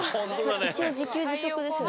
一応自給自足ですよね。